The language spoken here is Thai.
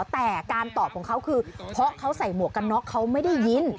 แต่การตอบของเขาคือเพราะเขาใส่หมวกกันน็อกเขาไม่ได้ยิน